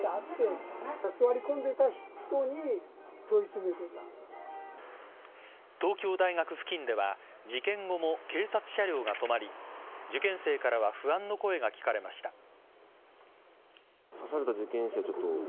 東京大学付近では事件後も警察車両が止まり受験生からは不安の声が聞かれました。